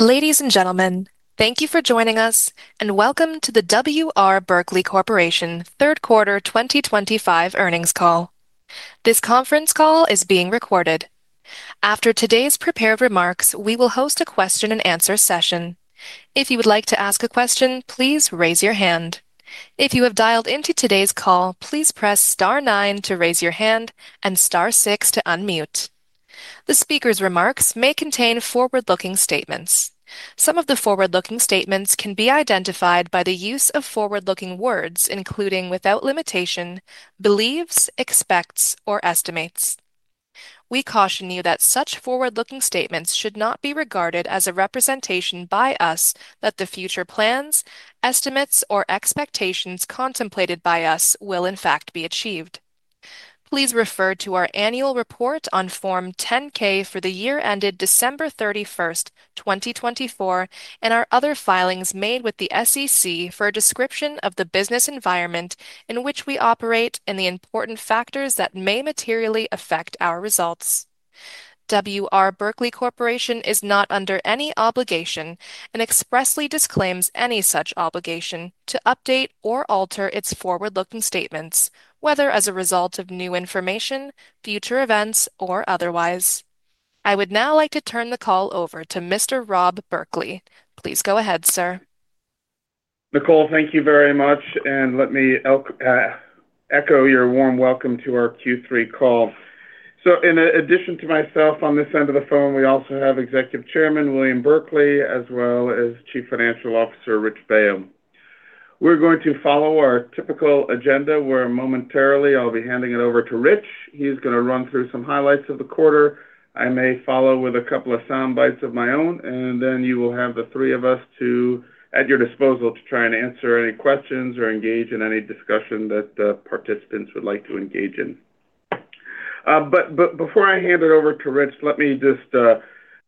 Ladies and gentlemen, thank you for joining us and welcome to the W. R. Berkley Corporation third quarter 2025 earnings call. This conference call is being recorded. After today's prepared remarks, we will host a question and answer session. If you would like to ask a question, please raise your hand. If you have dialed into today's call, please press star nine to raise your hand and star six to unmute. The speaker's remarks may contain forward-looking statements. Some of the forward-looking statements can be identified by the use of forward-looking words including, without limitation, believes, expects, or estimates. We caution you that such forward-looking statements should not be regarded as a representation by us that the future plans, estimates, or expectations contemplated by us will, in fact, be achieved. Please refer to our annual report on Form 10-K for the year ended December 31, 2024, and our other filings made with the SEC for a description of the business environment in which we operate and the important factors that may materially affect our results. W. R. Berkley Corporation is not under any obligation and expressly disclaims any such obligation to update or alter its forward-looking statements, whether as a result of new information, future events, or otherwise. I would now like to turn the call over to Mr. Rob Berkley. Please go ahead, sir. Nicole, thank you very much, and let me echo your warm welcome to our Q3 call. In addition to myself on this end of the phone, we also have Executive Chairman William Berkley as well as Chief Financial Officer Rich Baio. We're going to follow our typical agenda where momentarily I'll be handing it over to Rich. He's going to run through some highlights of the quarter. I may follow with a couple of sound bites of my own, and then you will have the three of us at your disposal to try and answer any questions or engage in any discussion that the participants would like to engage in. Before I hand it over to Rich, let me just,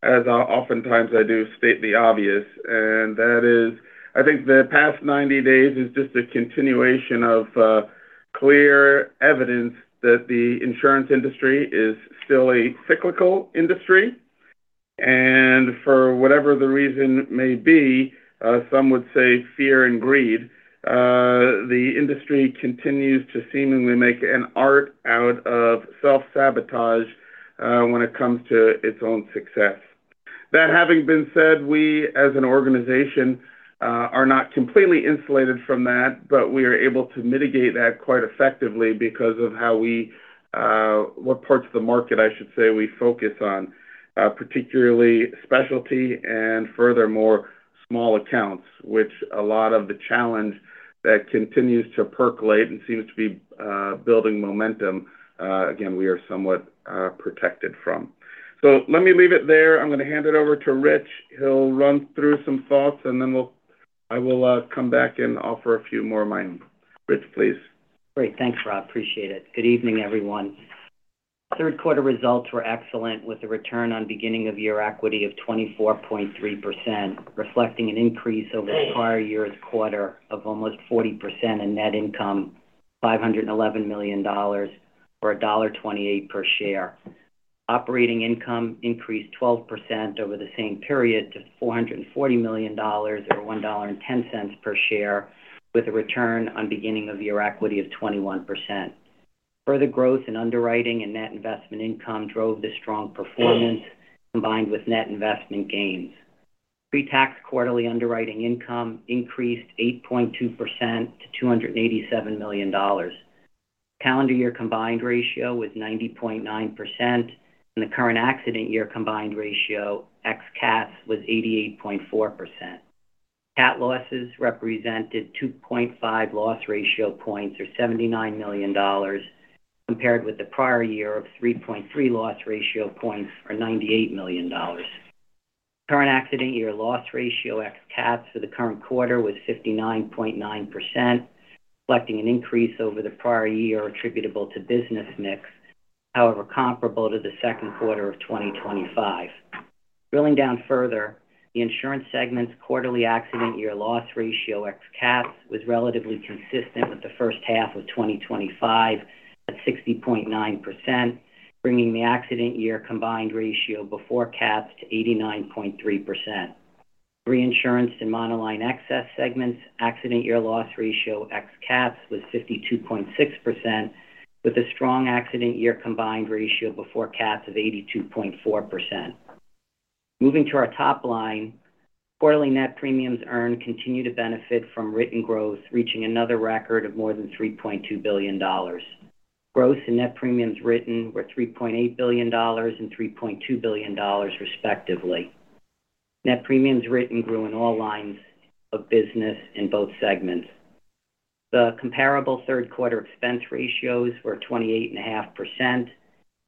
as I oftentimes do, state the obvious, and that is I think the past 90 days is just a continuation of clear evidence that the insurance industry is still a cyclical industry. For whatever the reason may be, some would say fear and greed, the industry continues to seemingly make an art out of self-sabotage when it comes to its own success. That having been said, we as an organization are not completely insulated from that, but we are able to mitigate that quite effectively because of how we, what parts of the market I should say, we focus on, particularly specialty and furthermore small accounts, which a lot of the challenge that continues to percolate and seems to be building momentum, again, we are somewhat protected from. Let me leave it there. I'm going to hand it over to Rich. He'll run through some thoughts, and then I will come back and offer a few more of mine. Rich, please. Great. Thanks, Rob. Appreciate it. Good evening, everyone. Third quarter results were excellent with a return on beginning-of-year equity of 24.3%, reflecting an increase over the prior year's quarter of almost 40% in net income, $511 million or $1.28 per share. Operating income increased 12% over the same period to $440 million or $1.10 per share, with a return on beginning-of-year equity of 21%. Further growth in underwriting and net investment income drove the strong performance, combined with net investment gains. Pre-tax quarterly underwriting income increased 8.2% to $287 million. Calendar year combined ratio was 90.9%, and the current accident year combined ratio ex-cats was 88.4%. cat losses represented 2.5 loss ratio points or $79 million compared with the prior year of 3.3 loss ratio points or $98 million. Current accident year loss ratio ex-cats for the current quarter was 59.9%, reflecting an increase over the prior year attributable to business mix, however, comparable to the second quarter of 2025. Drilling down further, the insurance segment's quarterly accident year loss ratio ex-cats was relatively consistent with the first half of 2025 at 60.9%, bringing the accident year combined ratio before cats to 89.3%. Reinsurance and monoline excess segment's accident year loss ratio ex-cats was 52.6%, with a strong accident year combined ratio before cats of 82.4%. Moving to our top line, quarterly net premiums earned continue to benefit from written growth, reaching another record of more than $3.2 billion. Growth in net premiums written were $3.8 billion and $3.2 billion, respectively. Net premiums written grew in all lines of business in both segments. The comparable third quarter expense ratios were 28.5%.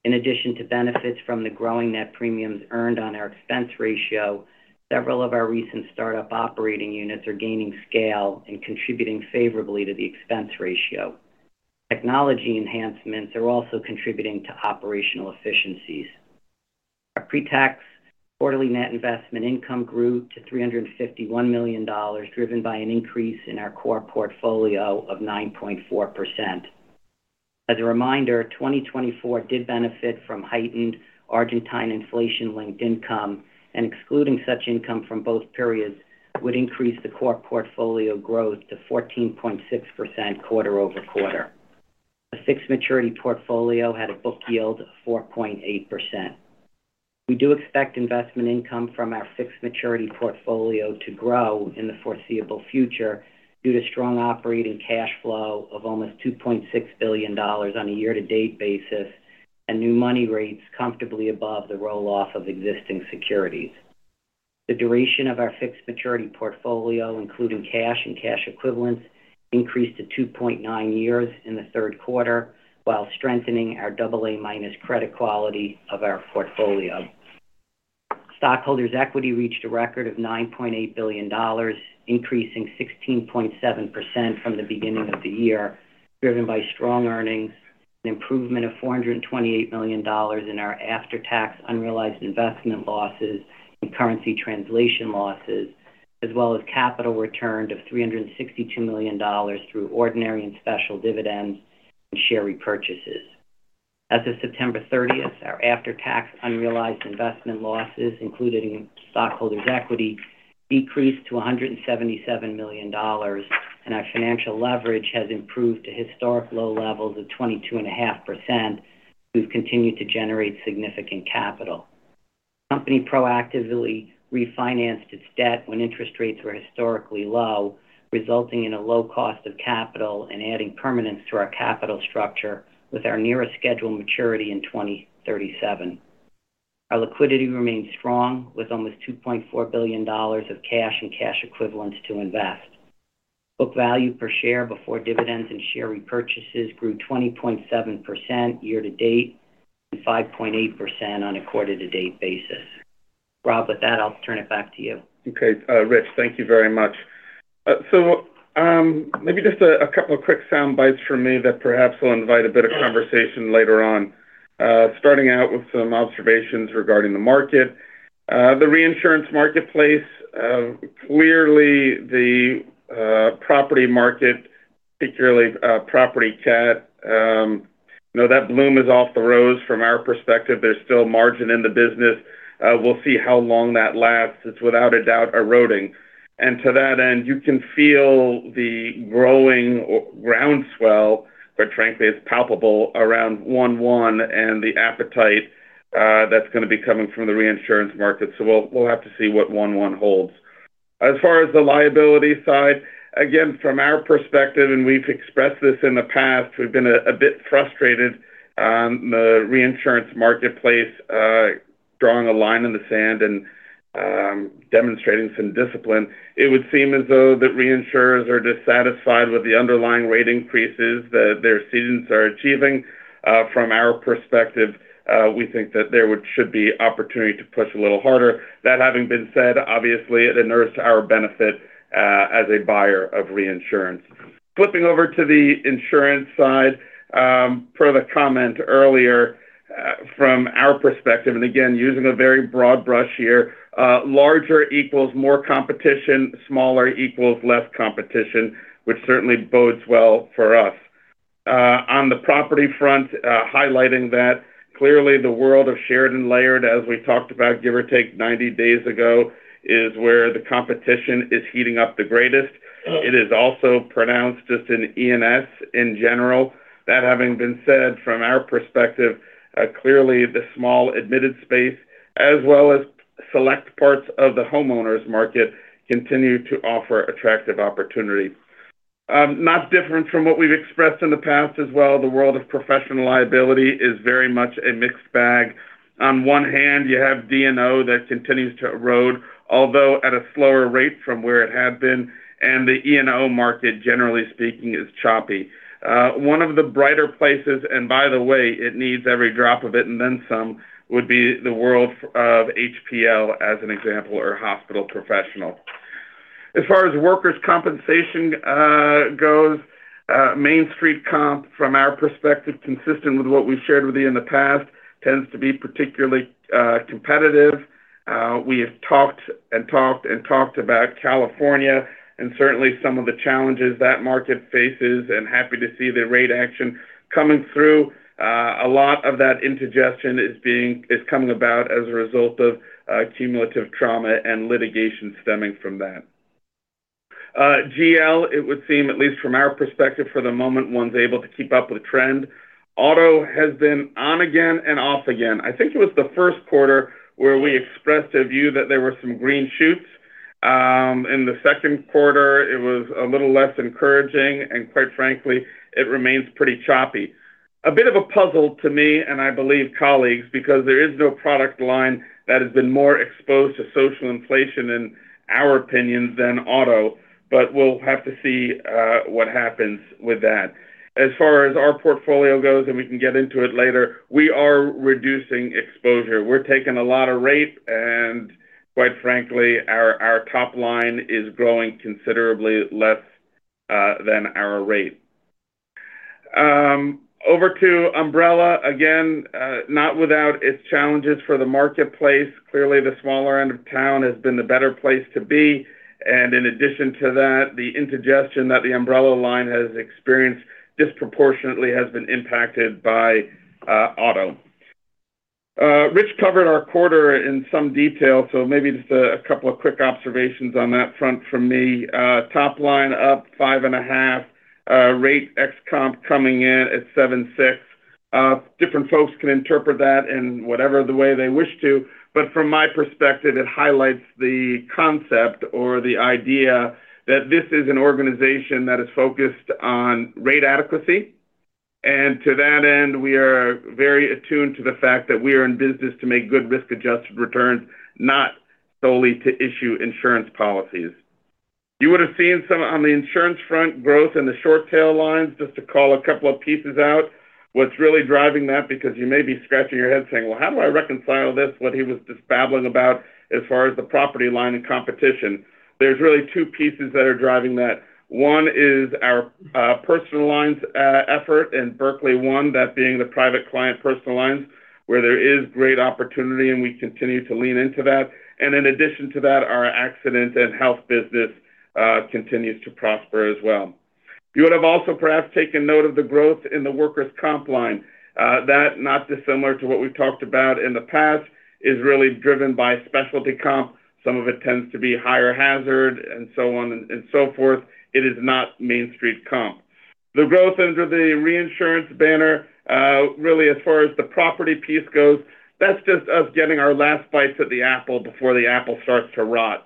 In addition to benefits from the growing net premiums earned on our expense ratio, several of our recent startup operating units are gaining scale and contributing favorably to the expense ratio. Technology enhancements are also contributing to operational efficiencies. Our pre-tax quarterly net investment income grew to $351 million, driven by an increase in our core portfolio of 9.4%. As a reminder, 2024 did benefit from heightened Argentine inflation-linked income, and excluding such income from both periods would increase the core portfolio growth to 14.6% quarter-over-quarter. The fixed maturity portfolio had a book yield of 4.8%. We do expect investment income from our fixed maturity portfolio to grow in the foreseeable future due to strong operating cash flow of almost $2.6 billion on a year-to-date basis and new money rates comfortably above the roll-off of existing securities. The duration of our fixed maturity portfolio, including cash and cash equivalents, increased to 2.9 years in the third quarter, while strengthening our AA- credit quality of our portfolio. Stockholders' equity reached a record of $9.8 billion, increasing 16.7% from the beginning of the year, driven by strong earnings and improvement of $428 million in our after-tax unrealized investment losses and currency translation losses, as well as capital returned of $362 million through ordinary and special dividends and share repurchases. As of September 30, our after-tax unrealized investment losses, including stockholders' equity, decreased to $177 million, and our financial leverage has improved to historic low levels of 22.5%. We've continued to generate significant capital. The company proactively refinanced its debt when interest rates were historically low, resulting in a low cost of capital and adding permanence to our capital structure with our nearest scheduled maturity in 2037. Our liquidity remains strong, with almost $2.4 billion of cash and cash equivalents to invest. Book value per share before dividends and share repurchases grew 20.7% year to date and 5.8% on a quarter-to-date basis. Rob, with that, I'll turn it back to you. Okay. Rich, thank you very much. Maybe just a couple of quick sound bites from me that perhaps will invite a bit of conversation later on. Starting out with some observations regarding the market. The reinsurance marketplace, clearly the property market, particularly property cat, you know, that bloom is off the rose. From our perspective, there's still margin in the business. We'll see how long that lasts. It's without a doubt eroding. To that end, you can feel the growing groundswell, quite frankly, it's palpable around 1.1% and the appetite that's going to be coming from the reinsurance market. We'll have to see what 1.1% holds. As far as the liability side, again, from our perspective, and we've expressed this in the past, we've been a bit frustrated on the reinsurance marketplace, drawing a line in the sand and demonstrating some discipline. It would seem as though that reinsurers are dissatisfied with the underlying rate increases that their students are achieving. From our perspective, we think that there should be opportunity to push a little harder. That having been said, obviously, it enures to our benefit as a buyer of reinsurance. Flipping over to the insurance side, per the comment earlier, from our perspective, and again, using a very broad brush here, larger equals more competition, smaller equals less competition, which certainly bodes well for us. On the property front, highlighting that clearly the world of shared and layered, as we talked about, give or take 90 days ago, is where the competition is heating up the greatest. It is also pronounced just in E&S in general. That having been said, from our perspective, clearly the small admitted space, as well as select parts of the homeowners market, continue to offer attractive opportunities. Not different from what we've expressed in the past as well. The world of professional liability is very much a mixed bag. On one hand, you have D&O that continues to erode, although at a slower rate from where it had been, and the E&O market, generally speaking, is choppy. One of the brighter places, and by the way, it needs every drop of it and then some, would be the world of HPL as an example or hospital professional. As far as workers' compensation goes, Main Street comp, from our perspective, consistent with what we've shared with you in the past, tends to be particularly competitive. We have talked and talked and talked about California and certainly some of the challenges that market faces, and happy to see the rate action coming through. A lot of that indigestion is coming about as a result of cumulative trauma and litigation stemming from that. GL, it would seem, at least from our perspective, for the moment, one's able to keep up with the trend. Auto has been on again and off again. I think it was the first quarter where we expressed a view that there were some green shoots. In the second quarter, it was a little less encouraging, and quite frankly, it remains pretty choppy. A bit of a puzzle to me, and I believe colleagues, because there is no product line that has been more exposed to social inflation in our opinions than Auto, but we'll have to see what happens with that. As far as our portfolio goes, and we can get into it later, we are reducing exposure. We're taking a lot of rate, and quite frankly, our top line is growing considerably less than our rate. Over to Umbrella, again, not without its challenges for the marketplace. Clearly, the smaller end of town has been the better place to be. In addition to that, the indigestion that the Umbrella line has experienced disproportionately has been impacted by Auto. Rich covered our quarter in some detail, so maybe just a couple of quick observations on that front from me. Top line up 5.5%. Rate ex-comp coming in at 7.6%. Different folks can interpret that in whatever the way they wish to, but from my perspective, it highlights the concept or the idea that this is an organization that is focused on rate adequacy. To that end, we are very attuned to the fact that we are in business to make good risk-adjusted returns, not solely to issue insurance policies. You would have seen some on the insurance front growth in the short tail lines. Just to call a couple of pieces out, what's really driving that, because you may be scratching your head saying, "How do I reconcile this, what he was just babbling about as far as the property line and competition?" There are really two pieces that are driving that. One is our personal lines effort and Berkley One, that being the private client personal lines where there is great opportunity and we continue to lean into that. In addition to that, our accident and health business continues to prosper as well. You would have also perhaps taken note of the growth in the workers' comp line. That, not dissimilar to what we've talked about in the past, is really driven by specialty comp. Some of it tends to be higher hazard and so on and so forth. It is not Main Street comp. The growth under the reinsurance banner, really as far as the property piece goes, that's just us getting our last bites at the apple before the apple starts to rot.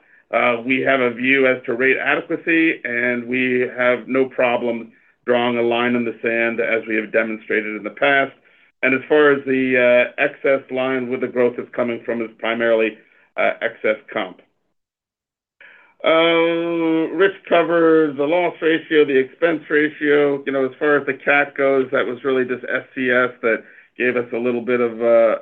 We have a view as to rate adequacy, and we have no problem drawing a line in the sand as we have demonstrated in the past. As far as the excess line, where the growth is coming from, is primarily excess comp. Rich covers the loss ratio, the expense ratio. As far as the cat goes, that was really just SCS that gave us a little bit of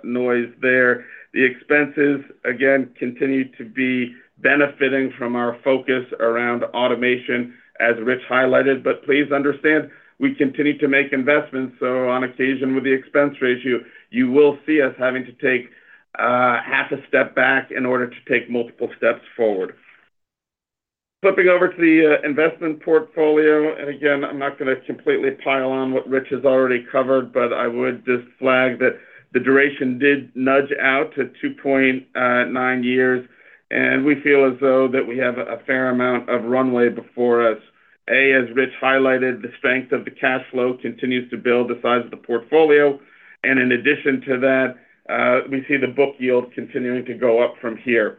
noise there. The expenses, again, continue to be benefiting from our focus around automation, as Rich highlighted. Please understand, we continue to make investments. On occasion, with the expense ratio, you will see us having to take half a step back in order to take multiple steps forward. Flipping over to the investment portfolio, I'm not going to completely pile on what Rich has already covered, but I would just flag that the duration did nudge out to 2.9 years, and we feel as though we have a fair amount of runway before us. As Rich highlighted, the strength of the cash flow continues to build the size of the portfolio. In addition to that, we see the book yield continuing to go up from here.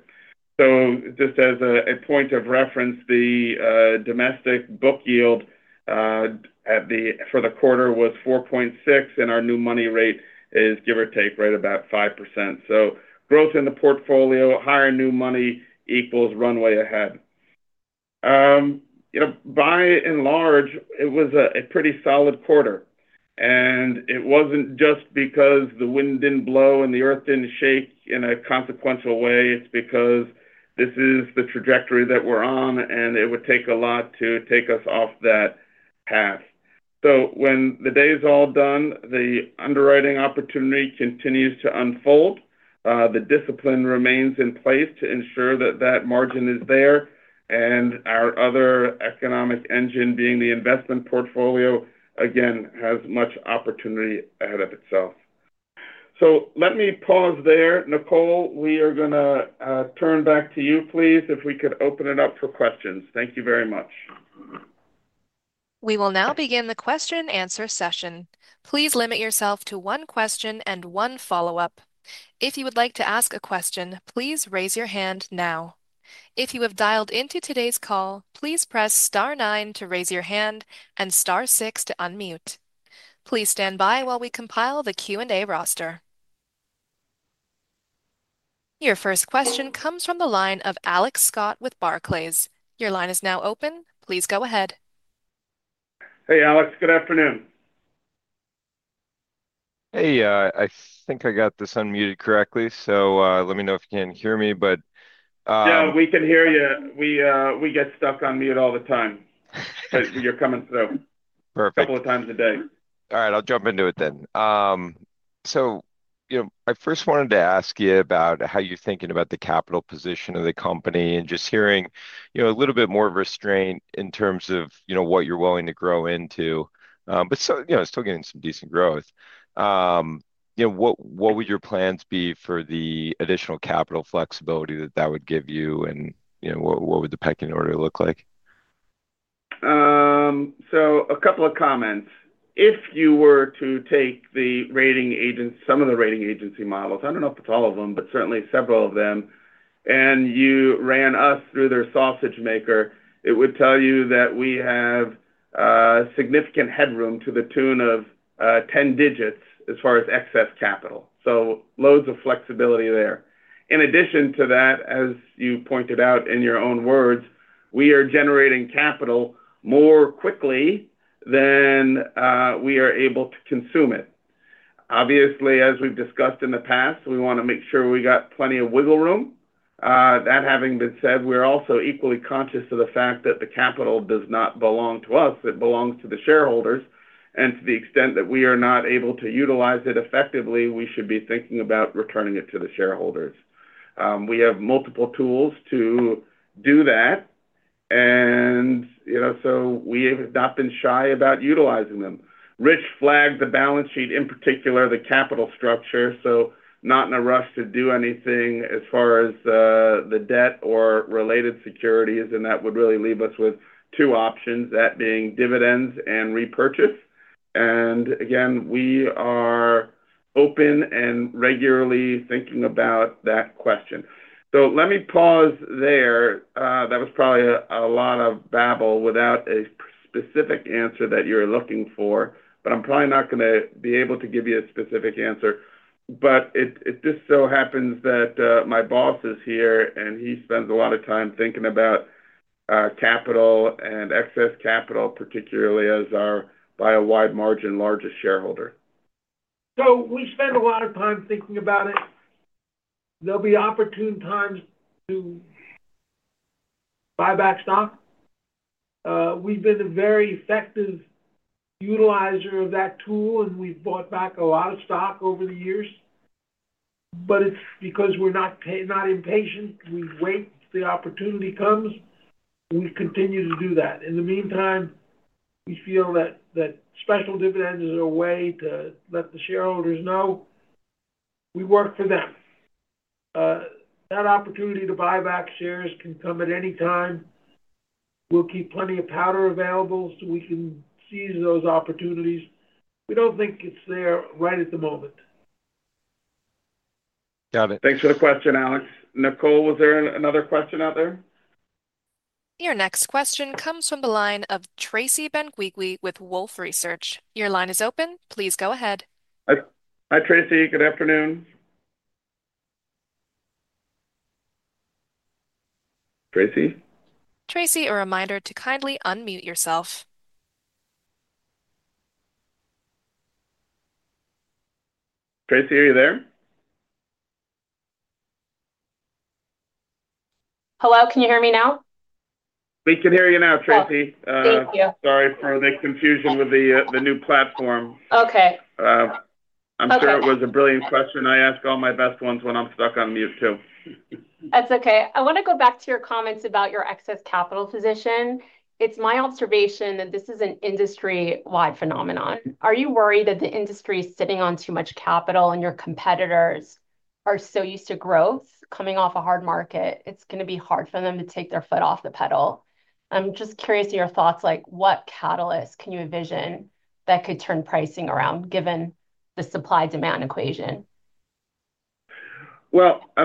Just as a point of reference, the domestic book yield for the quarter was 4.6%, and our new money rate is, give or take, right about 5%. Growth in the portfolio, higher new money equals runway ahead. By and large, it was a pretty solid quarter. It wasn't just because the wind didn't blow and the earth didn't shake in a consequential way. It's because this is the trajectory that we're on, and it would take a lot to take us off that path. When the day is all done, the underwriting opportunity continues to unfold. The discipline remains in place to ensure that margin is there. Our other economic engine, being the investment portfolio, again, has much opportunity ahead of itself. Let me pause there. Nicole, we are going to turn back to you. Please, if we could open it up for questions. Thank you very much. We will now begin the question and answer session. Please limit yourself to one question and one follow-up. If you would like to ask a question, please raise your hand now. If you have dialed into today's call, please press star nine to raise your hand and star six to unmute. Please stand by while we compile the Q&A roster. Your first question comes from the line of Alex Scott with Barclays. Your line is now open. Please go ahead. Hey, Alex. Good afternoon. I think I got this unmuted correctly. Let me know if you can't hear me. Yeah, we can hear you. We get stuck on mute all the time, but you're coming through. Perfect. A couple of times a day. All right. I'll jump into it then. I first wanted to ask you about how you're thinking about the capital position of the company and just hearing a little bit more restraint in terms of what you're willing to grow into. Still getting some decent growth, what would your plans be for the additional capital flexibility that would give you, and what would the pecking order look like? A couple of comments. If you were to take the rating agents, some of the rating agency models, I don't know if it's all of them, but certainly several of them, and you ran us through their sausage maker, it would tell you that we have significant headroom to the tune of 10 digits as far as excess capital. Loads of flexibility there. In addition to that, as you pointed out in your own words, we are generating capital more quickly than we are able to consume it. Obviously, as we've discussed in the past, we want to make sure we got plenty of wiggle room. That having been said, we're also equally conscious of the fact that the capital does not belong to us. It belongs to the shareholders. To the extent that we are not able to utilize it effectively, we should be thinking about returning it to the shareholders. We have multiple tools to do that, and we have not been shy about utilizing them. Rich flagged the balance sheet, in particular, the capital structure. Not in a rush to do anything as far as the debt or related securities, and that would really leave us with two options, that being dividends and repurchase. Again, we are open and regularly thinking about that question. Let me pause there. That was probably a lot of babble without a specific answer that you're looking for, but I'm probably not going to be able to give you a specific answer. It just so happens that my boss is here, and he spends a lot of time thinking about capital and excess capital, particularly as our, by a wide margin, largest shareholder. We spend a lot of time thinking about it. There will be opportune times to buy back stock. We've been a very effective utilizer of that tool, and we've bought back a lot of stock over the years. It's because we're not impatient. We wait. The opportunity comes. We continue to do that. In the meantime, we feel that special dividends is a way to let the shareholders know we work for them. That opportunity to buy back shares can come at any time. We'll keep plenty of powder available so we can seize those opportunities. We don't think it's there right at the moment. Got it. Thanks for the question, Alex. Nicole, was there another question out there? Your next question comes from the line of Tracy Benguigui with Wolfe Research. Your line is open. Please go ahead. Hi, Tracy. Good afternoon. Tracy? Tracy, a reminder to kindly unmute yourself. Tracy, are you there? Hello, can you hear me now? We can hear you now, Tracy. Great, thank you. Sorry for the confusion with the new platform. Okay. I'm sure it was a brilliant question. I ask all my best ones when I'm stuck on mute too. That's okay. I want to go back to your comments about your excess capital position. It's my observation that this is an industry-wide phenomenon. Are you worried that the industry is sitting on too much capital and your competitors are so used to growth coming off a hard market, it's going to be hard for them to take their foot off the pedal? I'm just curious of your thoughts. What catalysts can you envision that could turn pricing around given the supply-demand equation?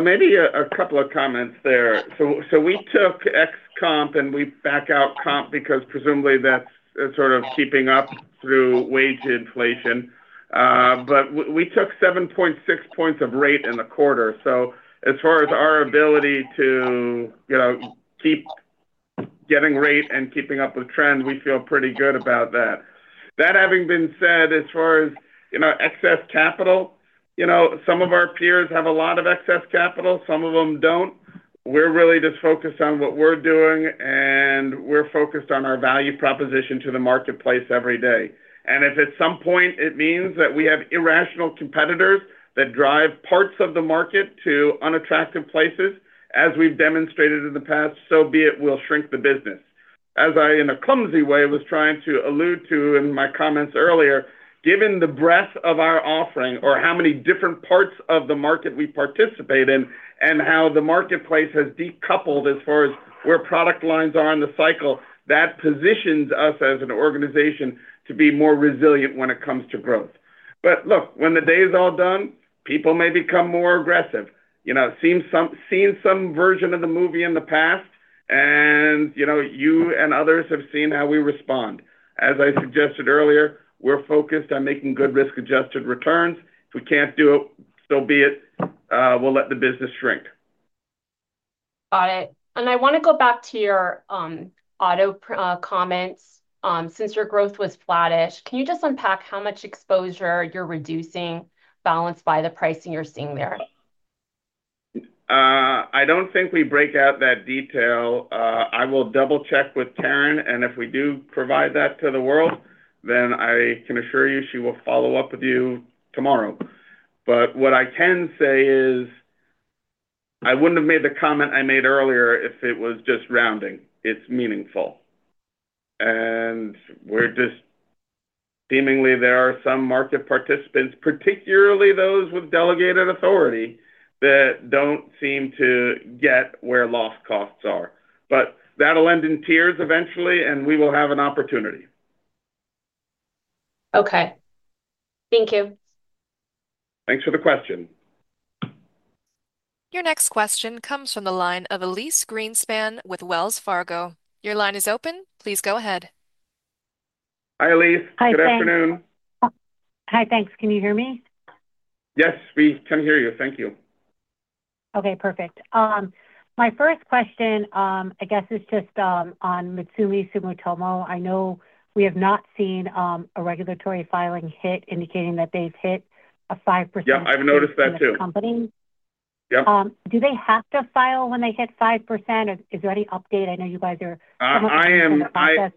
Maybe a couple of comments there. We took ex-comp and we back out comp because presumably that's sort of keeping up through wage inflation. We took 7.6 points of rate in the quarter. As far as our ability to keep getting rate and keeping up with the trend, we feel pretty good about that. That having been said, as far as excess capital, some of our peers have a lot of excess capital, some of them don't. We're really just focused on what we're doing, and we're focused on our value proposition to the marketplace every day. If at some point it means that we have irrational competitors that drive parts of the market to unattractive places, as we've demonstrated in the past, so be it. We'll shrink the business. As I, in a clumsy way, was trying to allude to in my comments earlier, given the breadth of our offering or how many different parts of the market we participate in and how the marketplace has decoupled as far as where product lines are in the cycle, that positions us as an organization to be more resilient when it comes to growth. When the day is all done, people may become more aggressive. We've seen some version of the movie in the past, and you and others have seen how we respond. As I suggested earlier, we're focused on making good risk-adjusted returns. If we can't do it, so be it. We'll let the business shrink. Got it. I want to go back to your auto comments. Since your growth was flattish, can you just unpack how much exposure you're reducing, balanced by the pricing you're seeing there? I don't think we break out that detail. I will double-check with Karen. If we do provide that to the world, I can assure you she will follow up with you tomorrow. What I can say is I wouldn't have made the comment I made earlier if it was just rounding. It's meaningful. There are some market participants, particularly those with delegated authority, that don't seem to get where loss costs are. That will end in tears eventually, and we will have an opportunity. Okay, thank you. Thanks for the question. Your next question comes from the line of Elyse Greenspan with Wells Fargo. Your line is open. Please go ahead. Hi, Elyse. Good afternoon. Hi, thanks. Can you hear me? Yes, we can hear you. Thank you. Okay. Perfect. My first question, I guess, is just on Mitsui Sumitomo. I know we have not seen a regulatory filing hit indicating that they've hit a 5%. Yeah, I've noticed that too. In the company. Yeah. Do they have to file when they hit 5%, or is there any update? I know you guys are coming up with some process.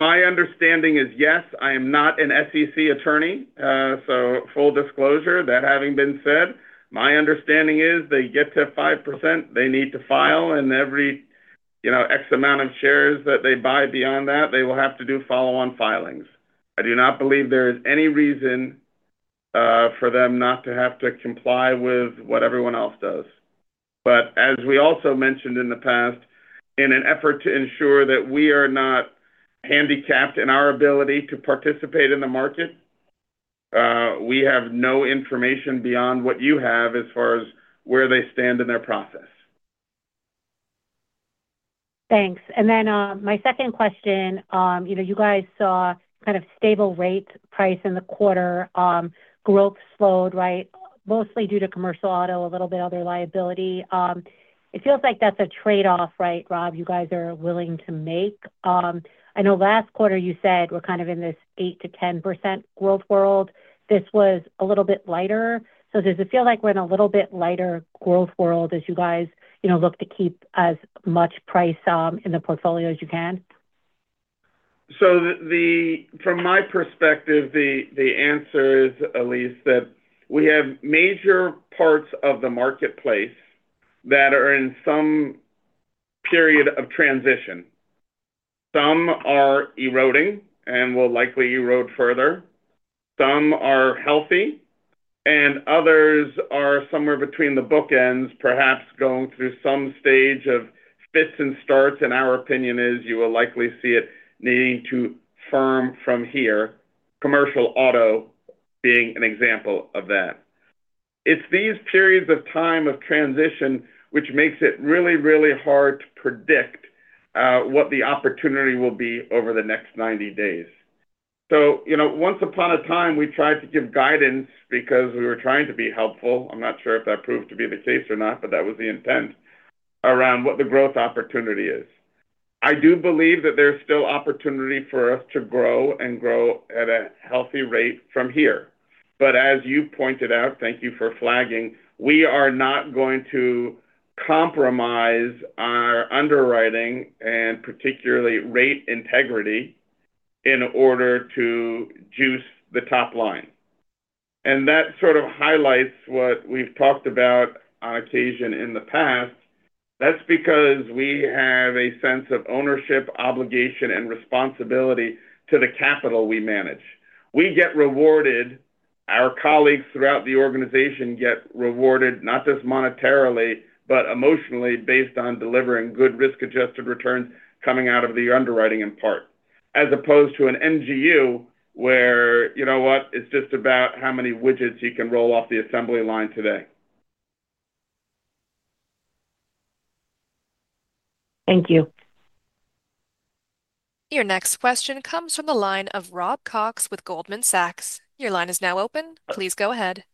My understanding is yes. I am not an SEC attorney, so full disclosure, that having been said, my understanding is they get to 5%, they need to file, and every, you know, X amount of shares that they buy beyond that, they will have to do follow-on filings. I do not believe there is any reason for them not to have to comply with what everyone else does. As we also mentioned in the past, in an effort to ensure that we are not handicapped in our ability to participate in the market, we have no information beyond what you have as far as where they stand in their process. Thanks. My second question, you know, you guys saw kind of stable rate price in the quarter. Growth slowed, right, mostly due to commercial auto, a little bit other liability. It feels like that's a trade-off, right, Rob, you guys are willing to make. I know last quarter you said we're kind of in this 8%-10% growth world. This was a little bit lighter. Does it feel like we're in a little bit lighter growth world as you guys, you know, look to keep as much price in the portfolio as you can? From my perspective, the answer is, Elyse, that we have major parts of the marketplace that are in some period of transition. Some are eroding and will likely erode further. Some are healthy, and others are somewhere between the bookends, perhaps going through some stage of fits and starts. Our opinion is you will likely see it needing to firm from here, commercial auto being an example of that. It is these periods of time of transition which make it really, really hard to predict what the opportunity will be over the next 90 days. Once upon a time, we tried to give guidance because we were trying to be helpful. I'm not sure if that proved to be the case or not, but that was the intent around what the growth opportunity is. I do believe that there's still opportunity for us to grow and grow at a healthy rate from here. As you pointed out, thank you for flagging, we are not going to compromise our underwriting and particularly rate integrity in order to juice the top line. That sort of highlights what we've talked about on occasion in the past. That's because we have a sense of ownership, obligation, and responsibility to the capital we manage. We get rewarded. Our colleagues throughout the organization get rewarded not just monetarily, but emotionally based on delivering good risk-adjusted returns coming out of the underwriting in part, as opposed to an NGU where, you know what, it's just about how many widgets you can roll off the assembly line today. Thank you. Your next question comes from the line of Rob Cox with Goldman Sachs. Your line is now open. Please go ahead.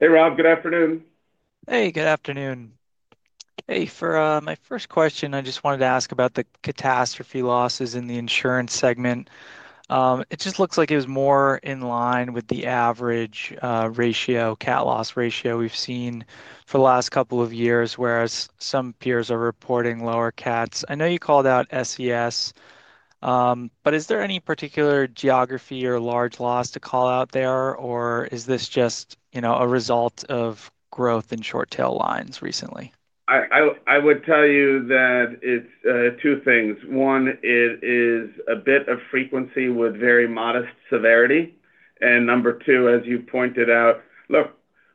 Hey, Rob. Good afternoon. Hey, good afternoon. For my first question, I just wanted to ask about the catastrophe losses in the insurance segment. It just looks like it was more in line with the average ratio, cat loss ratio we've seen for the last couple of years, whereas some peers are reporting lower cats. I know you called out SES. Is there any particular geography or large loss to call out there, or is this just a result of growth in short tail lines recently? I would tell you that it's two things. One, it is a bit of frequency with very modest severity. Number two, as you pointed out, look,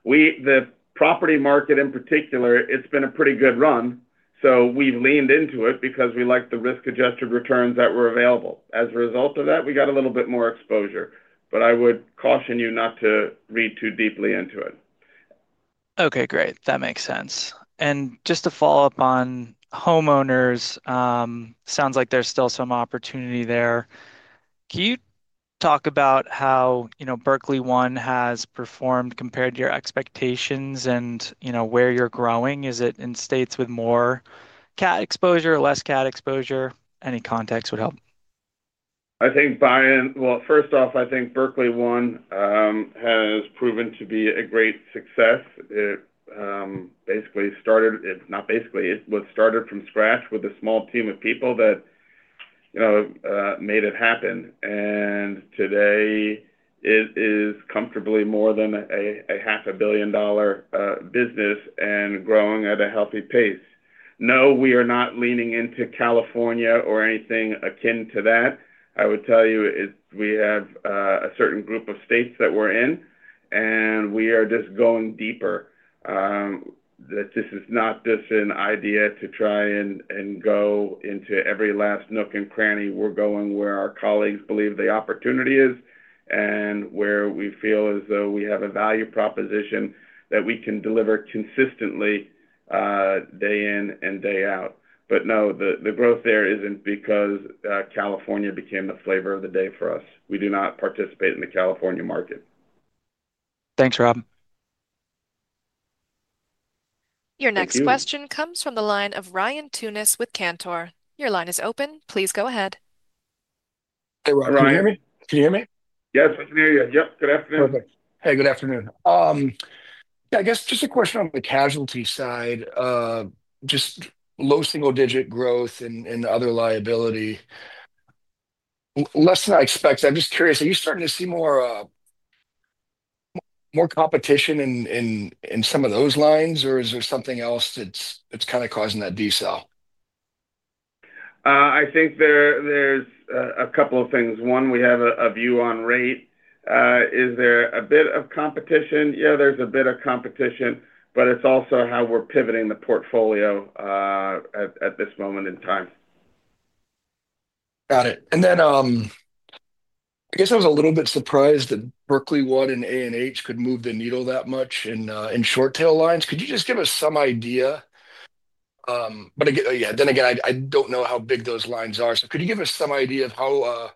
we, the property market in particular, it's been a pretty good run. We have leaned into it because we like the risk-adjusted returns that were available. As a result of that, we got a little bit more exposure. I would caution you not to read too deeply into it. Okay, great. That makes sense. Just to follow up on homeowners, sounds like there's still some opportunity there. Can you talk about how, you know, Berkley One has performed compared to your expectations and, you know, where you're growing? Is it in states with more cat exposure or less cat exposure? Any context would help. I think buy-in, first off, I think Berkley One has proven to be a great success. It basically started, it was started from scratch with a small team of people that made it happen. Today, it is comfortably more than a $500 million business and growing at a healthy pace. No, we are not leaning into California or anything akin to that. I would tell you we have a certain group of states that we're in, and we are just going deeper. This is not just an idea to try and go into every last nook and cranny. We're going where our colleagues believe the opportunity is and where we feel as though we have a value proposition that we can deliver consistently, day in and day out. No, the growth there isn't because California became the flavor of the day for us. We do not participate in the California market. Thanks, Rob. Your next question comes from the line of Ryan Tunis with Cantor. Your line is open. Please go ahead. Hey, Ryan. Can you hear me? Yes, I can hear you. Yep, good afternoon. Perfect. Hey, good afternoon. I guess just a question on the casualty side, just low single-digit growth and other liability, less than I expect. I'm just curious, are you starting to see more competition in some of those lines, or is there something else that's kind of causing that D-cell? I think there's a couple of things. One, we have a view on rate. Is there a bit of competition? Yeah, there's a bit of competition, but it's also how we're pivoting the portfolio at this moment in time. Got it. I guess I was a little bit surprised that Berkley One and A&H could move the needle that much in short tail lines. Could you just give us some idea? Again, I don't know how big those lines are. Could you give us some idea of how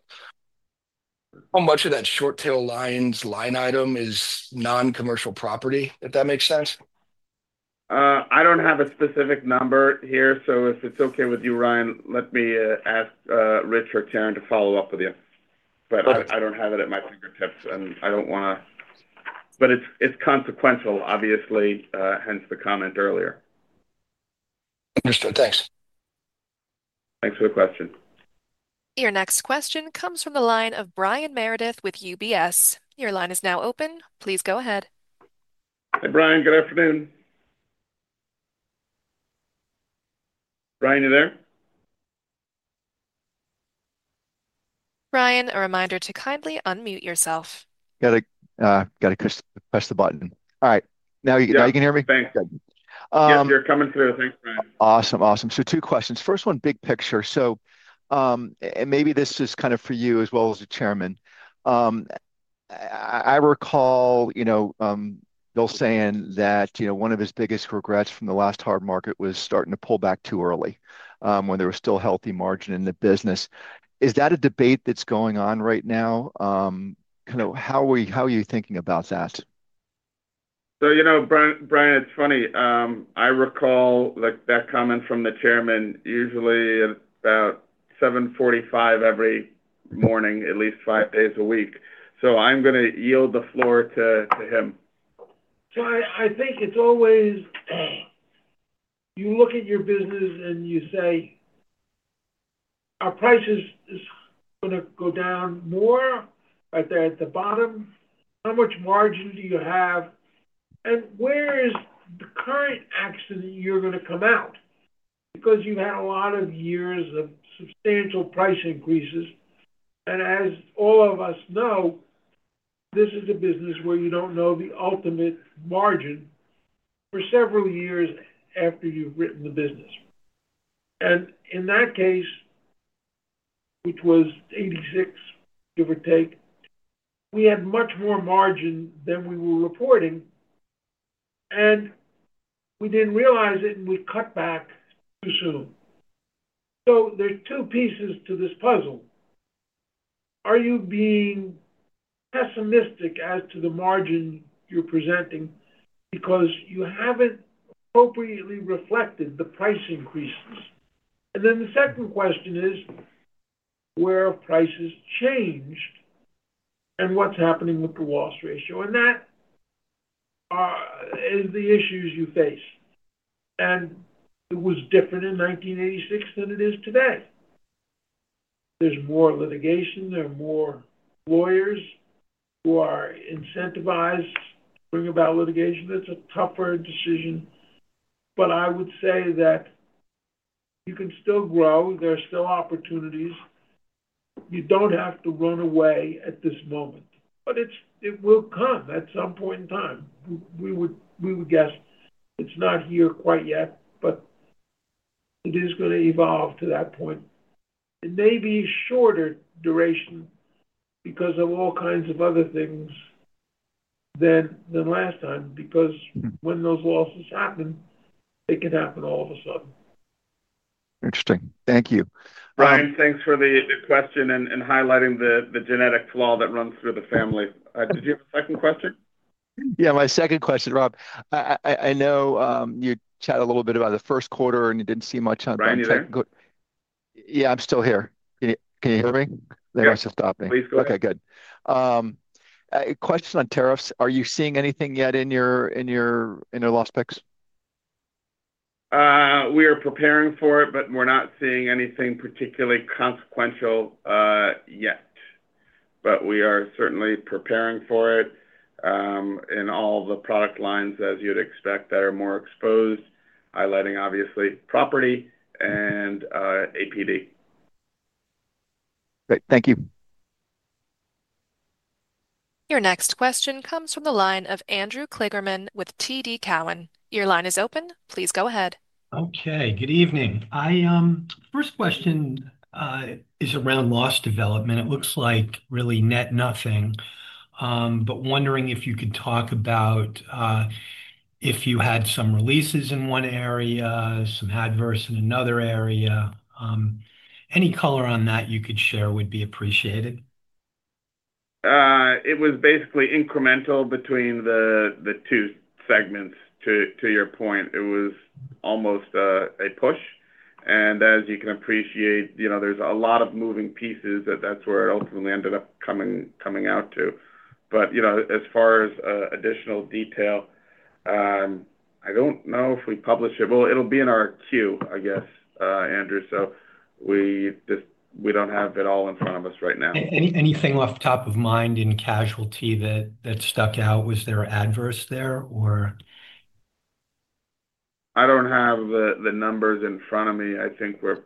much of that short tail lines line item is non-commercial property, if that makes sense? I don't have a specific number here. If it's okay with you, Ryan, let me ask Rich or Karen to follow up with you. I don't have it at my fingertips, and I don't want to, but it's consequential, obviously, hence the comment earlier. Understood. Thanks. Thanks for the question. Your next question comes from the line of Brian Meredith with UBS. Your line is now open. Please go ahead. Hey, Brian. Good afternoon. Brian, you there? Brian, a reminder to kindly unmute yourself. All right. Now you can hear me? Thanks, Ed. Yes, you're coming through. Thanks, Brian. Awesome. Two questions. First one, big picture. Maybe this is kind of for you as well as the Chairman. I recall, you know, Bill saying that one of his biggest regrets from the last hard market was starting to pull back too early, when there was still healthy margin in the business. Is that a debate that's going on right now? How are we, how are you thinking about that? You know, Brian, it's funny. I recall that comment from the Chairman usually at about 7:45 A.M. every morning, at least five days a week. I'm going to yield the floor to him. I think it's always, you look at your business and you say, "Our price is going to go down more, but they're at the bottom. How much margin do you have? And where is the current accident you're going to come out?" Because you've had a lot of years of substantial price increases. As all of us know, this is a business where you don't know the ultimate margin for several years after you've written the business. In that case, which was 1986, give or take, we had much more margin than we were reporting. We didn't realize it, and we cut back too soon. There are two pieces to this puzzle. Are you being pessimistic as to the margin you're presenting because you haven't appropriately reflected the price increases? The second question is, where have prices changed and what's happening with the loss ratio? That is the issues you face. It was different in 1986 than it is today. There's more litigation. There are more lawyers who are incentivized to bring about litigation. That's a tougher decision. I would say that you can still grow. There are still opportunities. You don't have to run away at this moment. It will come at some point in time. We would guess it's not here quite yet, but it is going to evolve to that point. It may be shorter duration because of all kinds of other things than last time because when those losses happen, they can happen all of a sudden. Interesting. Thank you. Brian, thanks for the question and highlighting the genetic flaw that runs through the family. Did you have a second question? Yeah, my second question, Rob. I know you chatted a little bit about the first quarter and you didn't see much on. Brian here? Yeah, I'm still here. Can you hear me? Yes. There I should stop. Please go ahead. Okay, good. Question on tariffs. Are you seeing anything yet in your loss picks? We are preparing for it, but we're not seeing anything particularly consequential yet. We are certainly preparing for it in all the product lines, as you'd expect, that are more exposed, highlighting, obviously, property and APD. Great, thank you. Your next question comes from the line of Andrew Kligerman with TD Cowen. Your line is open. Please go ahead. Okay. Good evening. My first question is around loss development. It looks like really net nothing, but wondering if you could talk about if you had some releases in one area, some adverse in another area. Any color on that you could share would be appreciated. It was basically incremental between the two segments. To your point, it was almost a push. As you can appreciate, there's a lot of moving pieces; that's where it ultimately ended up coming out to. As far as additional detail, I don't know if we publish it. It'll be in our queue, I guess, Andrew. We just don't have it all in front of us right now. Anything off top of mind in casualty that stuck out? Was there adverse there, or? I don't have the numbers in front of me. I think we're,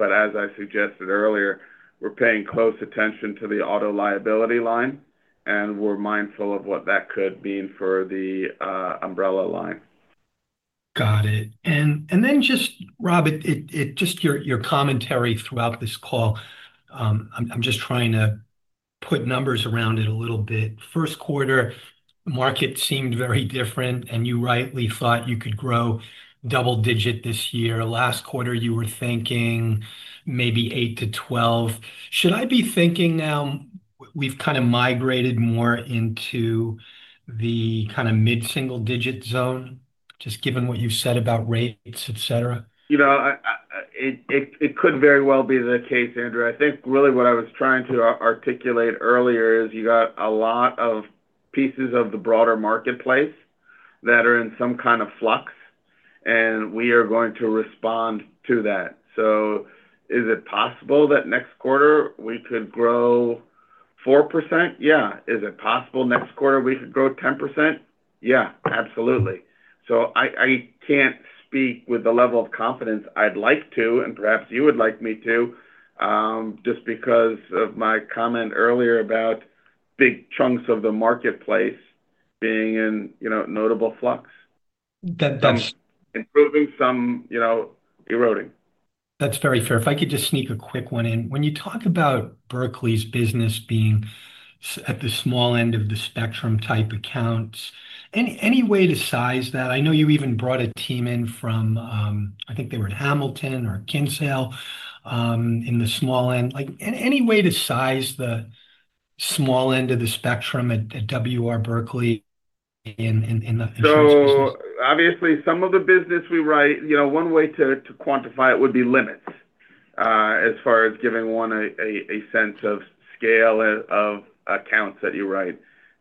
as I suggested earlier, we're paying close attention to the auto liability line, and we're mindful of what that could mean for the umbrella line. Got it. Rob, just your commentary throughout this call, I'm just trying to put numbers around it a little bit. First quarter, the market seemed very different, and you rightly thought you could grow double-digit this year. Last quarter, you were thinking maybe 8%-12%. Should I be thinking now we've kind of migrated more into the kind of mid-single-digit zone, just given what you've said about rates, etc.? You know. It could very well be the case, Andrew. I think really what I was trying to articulate earlier is you got a lot of pieces of the broader marketplace that are in some kind of flux, and we are going to respond to that. Is it possible that next quarter we could grow 4%? Yeah. Is it possible next quarter we could grow 10%? Yeah, absolutely. I can't speak with the level of confidence I'd like to, and perhaps you would like me to, just because of my comment earlier about big chunks of the marketplace being in notable flux. That's. Proving some eroding. That's very fair. If I could just sneak a quick one in. When you talk about Berkley's business being at the small end of the spectrum type accounts, any way to size that? I know you even brought a team in from, I think they were at Hamilton or Kinsale, in the small end. Any way to size the small end of the spectrum at W. R. Berkley in the insurance business? Obviously, some of the business we write, one way to quantify it would be limits, as far as giving one a sense of scale of accounts that you write.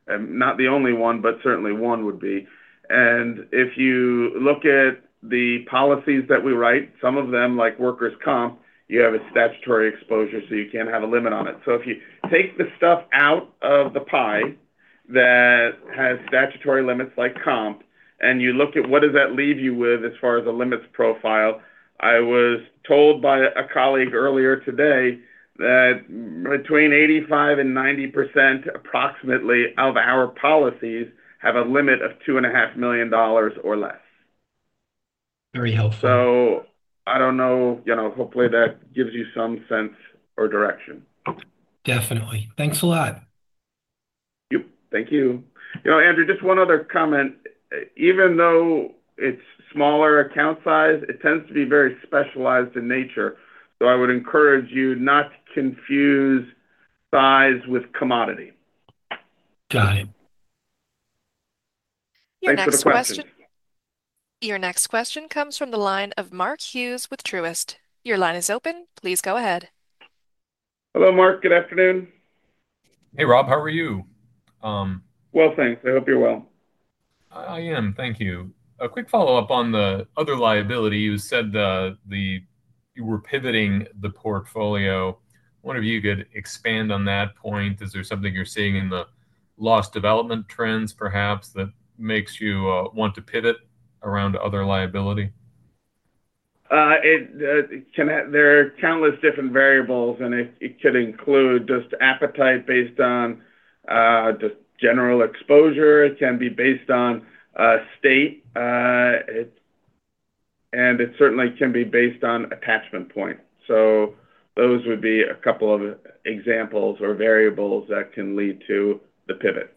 It is not the only one, but certainly one would be. If you look at the policies that we write, some of them, like workers' comp, you have a statutory exposure, so you can't have a limit on it. If you take the stuff out of the pie that has statutory limits like comp, and you look at what does that leave you with as far as a limits profile, I was told by a colleague earlier today that between 85% and 90%, approximately, of our policies have a limit of $2.5 million or less. Very helpful. I don't know, you know, hopefully that gives you some sense or direction. Definitely, thanks a lot. Thank you. You know, Andrew, just one other comment. Even though it's smaller account size, it tends to be very specialized in nature. I would encourage you not to confuse size with commodity. Got it. Thanks for the question. Your next question comes from the line of Mark Hughes with Truist. Your line is open. Please go ahead. Hello, Mark. Good afternoon. Hey, Rob. How are you? Thank you. I hope you're well. I am. Thank you. A quick follow-up on the other liability. You said that you were pivoting the portfolio. I wonder if you could expand on that point. Is there something you're seeing in the loss development trends, perhaps, that makes you want to pivot around other liability? There are countless different variables, and it could include just appetite based on just general exposure. It can be based on state, and it certainly can be based on attachment point. Those would be a couple of examples or variables that can lead to the pivot.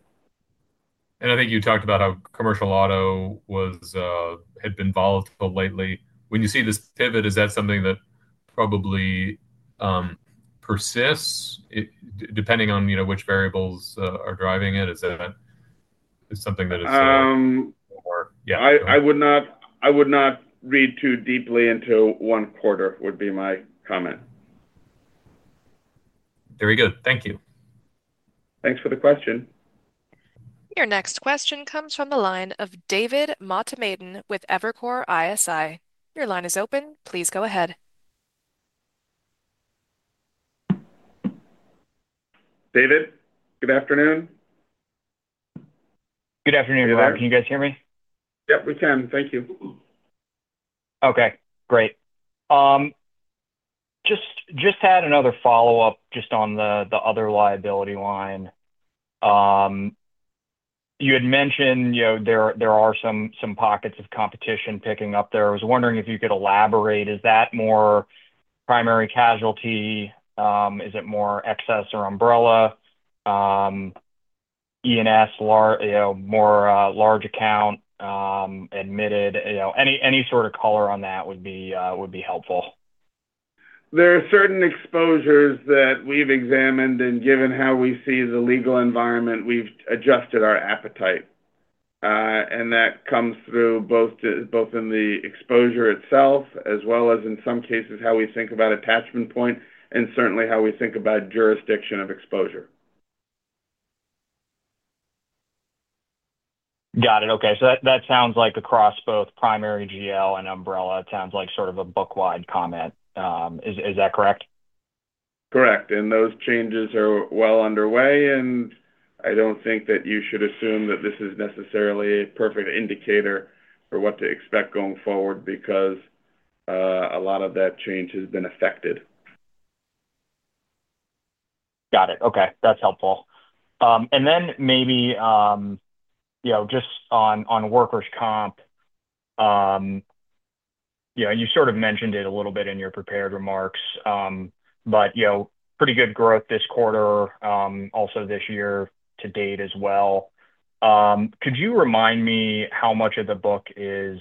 You talked about how commercial auto had been volatile lately. When you see this pivot, is that something that probably persists depending on which variables are driving it? Is that something that is? I would not read too deeply into one quarter, would be my comment. Very good. Thank you. Thanks for the question. Your next question comes from the line of David Motemaden with Evercore ISI. Your line is open. Please go ahead. David, good afternoon. Good afternoon, Rob. Can you guys hear me? Yep, we can. Thank you. Okay. Great. Just had another follow-up just on the other liability line. You had mentioned there are some pockets of competition picking up there. I was wondering if you could elaborate. Is that more primary casualty? Is it more excess or umbrella? E&S, more large account, admitted? Any sort of color on that would be helpful. There are certain exposures that we've examined, and given how we see the legal environment, we've adjusted our appetite. That comes through both in the exposure itself, as well as, in some cases, how we think about attachment point and certainly how we think about jurisdiction of exposure. Got it. Okay. That sounds like across both primary GL and umbrella. It sounds like sort of a book-wide comment. Is that correct? Correct. Those changes are well underway, and I don't think that you should assume that this is necessarily a perfect indicator for what to expect going forward because a lot of that change has been affected. Got it. Okay, that's helpful. Maybe, just on workers' comp, you sort of mentioned it a little bit in your prepared remarks, but pretty good growth this quarter, also this year to date as well. Could you remind me how much of the book is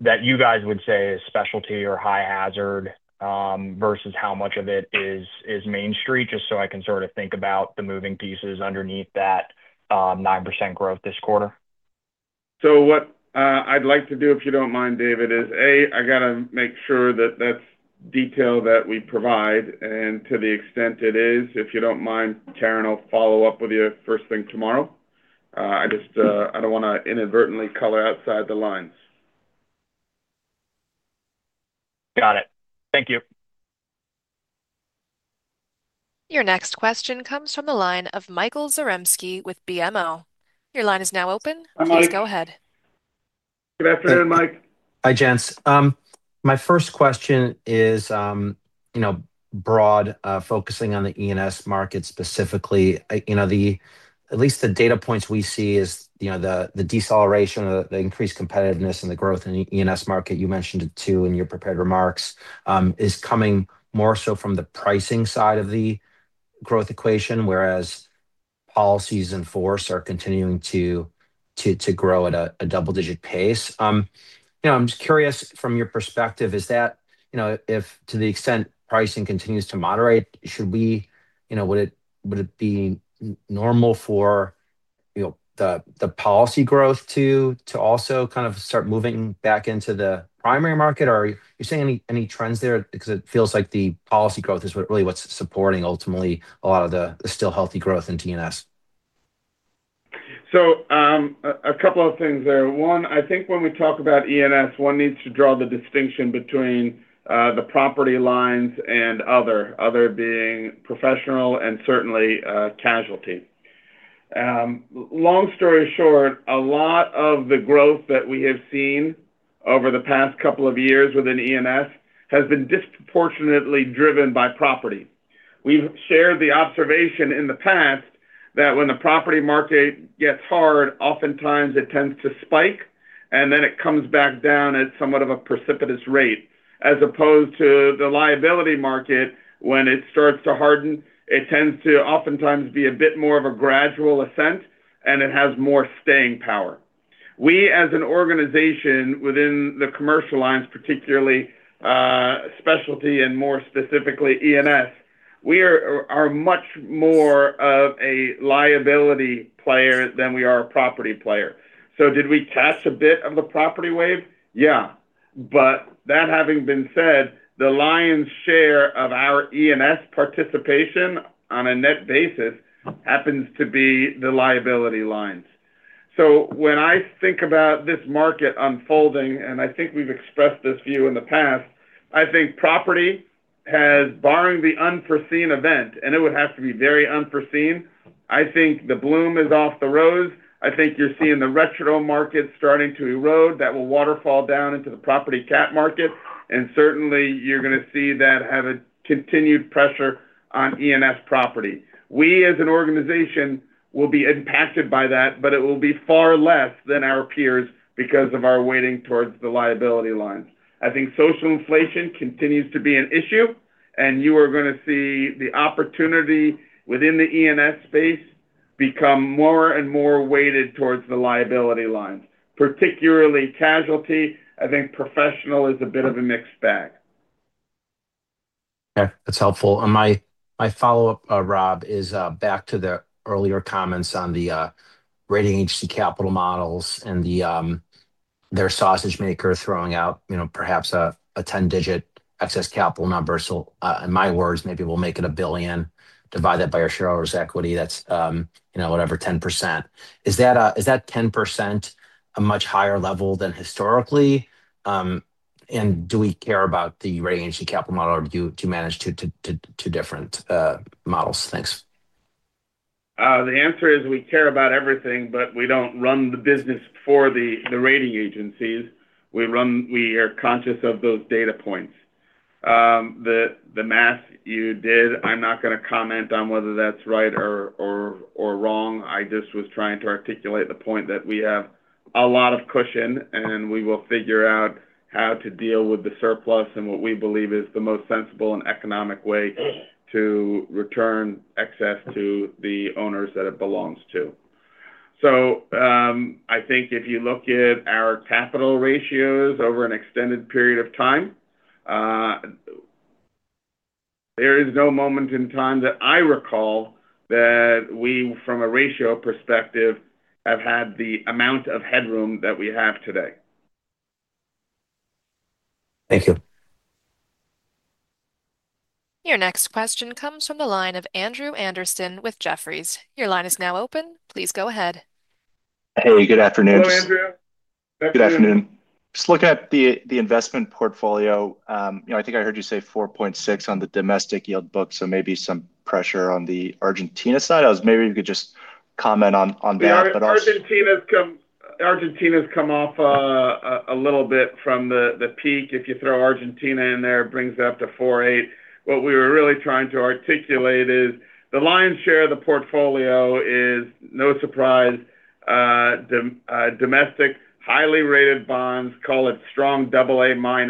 that you guys would say is specialty or high hazard versus how much of it is Main Street, just so I can sort of think about the moving pieces underneath that 9% growth this quarter? What I'd like to do, if you don't mind, David, is, A, I got to make sure that that's detail that we provide. To the extent it is, if you don't mind, Karen, I'll follow up with you first thing tomorrow. I just don't want to inadvertently color outside the lines. Got it. Thank you. Your next question comes from the line of Michael Zaremski with BMO. Your line is now open. Please go ahead. Good afternoon, Mike. Hi, gents. My first question is broad, focusing on the E&S market specifically. At least the data points we see are the deceleration, the increased competitiveness, and the growth in the E&S market. You mentioned it too in your prepared remarks, is coming more so from the pricing side of the growth equation, whereas policies in force are continuing to grow at a double-digit pace. I'm just curious, from your perspective, if to the extent pricing continues to moderate, would it be normal for the policy growth to also kind of start moving back into the primary market? Are you seeing any trends there? It feels like the policy growth is really what's supporting ultimately a lot of the still healthy growth in E&S. A couple of things there. One, I think when we talk about E&S, one needs to draw the distinction between the property lines and other, other being professional and certainly casualty. Long story short, a lot of the growth that we have seen over the past couple of years within E&S has been disproportionately driven by property. We've shared the observation in the past that when the property market gets hard, oftentimes it tends to spike, and then it comes back down at somewhat of a precipitous rate. As opposed to the liability market, when it starts to harden, it tends to oftentimes be a bit more of a gradual ascent, and it has more staying power. We, as an organization within the commercial lines, particularly specialty and more specifically E&S, are much more of a liability player than we are a property player. Did we catch a bit of the property wave? Yeah. That having been said, the lion's share of our E&S participation on a net basis happens to be the liability lines. When I think about this market unfolding, and I think we've expressed this view in the past, I think property has, barring the unforeseen event, and it would have to be very unforeseen, the bloom is off the rose. I think you're seeing the retro market starting to erode, that will waterfall down into the property catastrophe market. Certainly, you're going to see that have a continued pressure on E&S property. We, as an organization, will be impacted by that, but it will be far less than our peers because of our weighting towards the liability lines. I think social inflation continues to be an issue, and you are going to see the opportunity within the E&S space become more and more weighted towards the liability lines, particularly casualty. I think professional is a bit of a mixed bag. Okay. That's helpful. My follow-up, Rob, is back to the earlier comments on the rating agency capital models and their sausage maker throwing out, you know, perhaps a 10-digit excess capital number. In my words, maybe we'll make it a billion, divide that by our shareholders' equity. That's, you know, whatever, 10%. Is that 10% a much higher level than historically? Do we care about the rating agency capital model or do you manage two different models? Thanks. The answer is we care about everything, but we don't run the business for the rating agencies. We are conscious of those data points. The math you did, I'm not going to comment on whether that's right or wrong. I just was trying to articulate the point that we have a lot of cushion, and we will figure out how to deal with the surplus and what we believe is the most sensible and economic way to return excess to the owners that it belongs to. I think if you look at our capital ratios over an extended period of time, there is no moment in time that I recall that we, from a ratio perspective, have had the amount of headroom that we have today. Thank you. Your next question comes from the line of Andrew Andersen with Jefferies. Your line is now open. Please go ahead. Hey, good afternoon. Hi, Andrew. Good afternoon. Just looking at the investment portfolio, I think I heard you say 4.6% on the domestic yield book, so maybe some pressure on the Argentina side. I was wondering if you could just comment on that. Yeah, Argentina's come off a little bit from the peak. If you throw Argentina in there, it brings it up to 4.8%. What we were really trying to articulate is the lion's share of the portfolio is, no surprise, domestic highly rated bonds, call it strong AA-.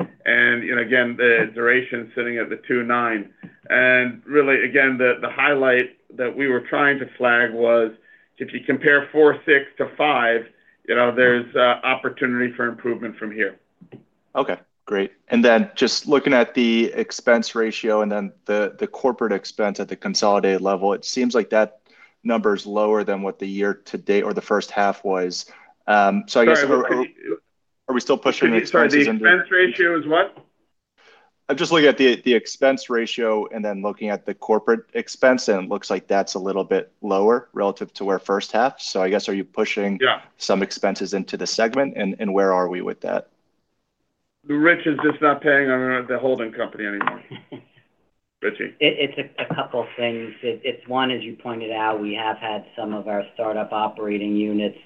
Again, the duration is sitting at 2.9%. Really, the highlight that we were trying to flag was if you compare 4.6% to 5%, there's opportunity for improvement from here. Okay. Great. Just looking at the expense ratio and then the corporate expense at the consolidated level, it seems like that number is lower than what the year to date or the first half was. I guess are we still pushing the expenses into? The expense ratio is what? I'm just looking at the expense ratio and then looking at the corporate expense, and it looks like that's a little bit lower relative to our first half. I guess are you pushing some expenses into the segment, and where are we with that? Rich is just not paying on the holding company anymore. Rich. It's a couple of things. It's one, as you pointed out, we have had some of our startup operating units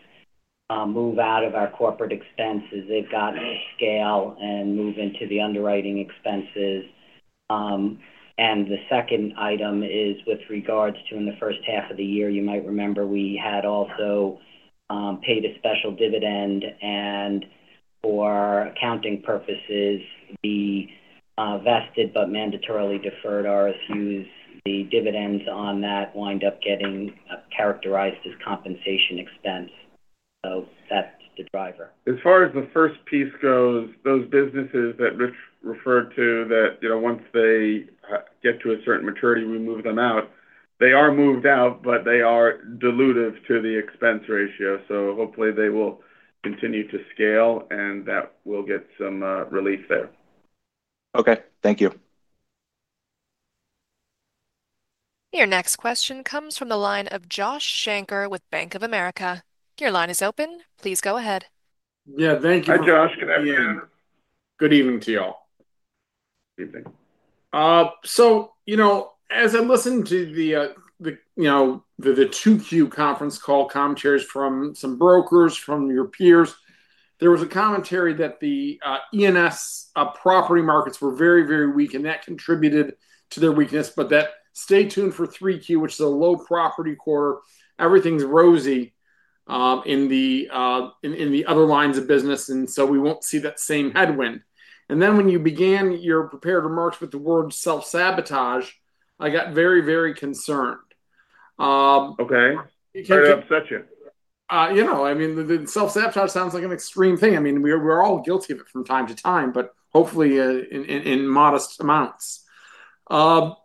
move out of our corporate expenses. They've gotten to scale and move into the underwriting expenses. The second item is with regards to in the first half of the year, you might remember we had also paid a special dividend. For accounting purposes, the vested but mandatorily deferred RSUs, the dividends on that wind up getting characterized as compensation expense. That's the driver. As far as the first piece goes, those businesses that Rich referred to that, once they get to a certain maturity, we move them out. They are moved out, but they are dilutive to the expense ratio. Hopefully, they will continue to scale, and that will get some relief there. Okay, thank you. Your next question comes from the line of Josh Shanker with Bank of America. Your line is open. Please go ahead. Thank you. Hi, Josh. Good afternoon. Good evening to you all. Good evening. As I'm listening to the 2Q conference call commentaries from some brokers, from your peers, there was a commentary that the E&S property markets were very, very weak, and that contributed to their weakness. Stay tuned for 3Q, which is a low property quarter, everything's rosy in the other lines of business, and we won't see that same headwind. When you began your prepared remarks with the word self-sabotage, I got very, very concerned. Okay, I got to upset you. You know. The self-sabotage sounds like an extreme thing. We're all guilty of it from time to time, but hopefully in modest amounts. What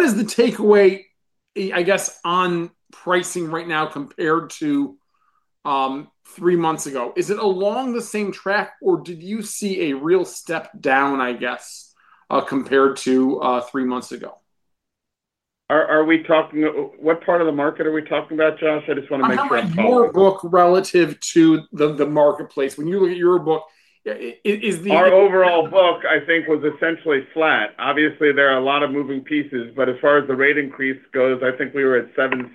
is the takeaway, I guess, on pricing right now compared to three months ago? Is it along the same track, or did you see a real step down compared to three months ago? What part of the market are we talking about, Josh? I just want to make sure I'm following. Your book relative to the marketplace. When you look at your book, is the Our overall book, I think, was essentially flat. Obviously, there are a lot of moving pieces. As far as the rate increase goes, I think we were at 7.6%,